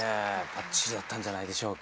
バッチリだったんじゃないでしょうか。